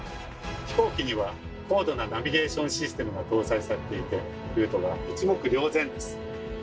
飛行機には高度なナビゲーションシステムが搭載されていてルートが一目瞭然です。